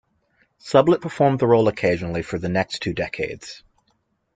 Sublett performed the role occasionally for the next two decades.